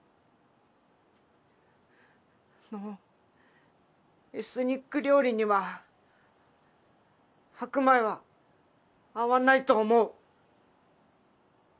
あのエスニック料理には白米は合わないと思う。